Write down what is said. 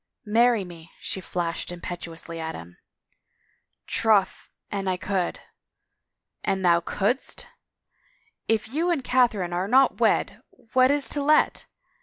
" Marry me !" she flashed imperiously at him. " Troth an I could —"" An thou couldst! If you and Catherine are not wed what is to let?